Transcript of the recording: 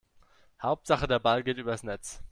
Hauptsache der Ball geht übers Netz.